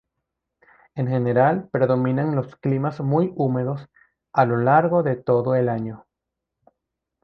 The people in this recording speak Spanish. En general predominan los climas muy húmedos a lo largo de todo el año.